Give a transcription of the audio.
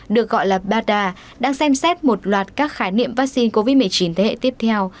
được gọi là baghdad đang xem xét một loạt các khái niệm vaccine covid một mươi chín thế hệ tiếp theo